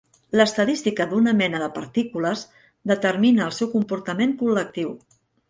L'estadística d'una mena de partícules determina el seu comportament col·lectiu.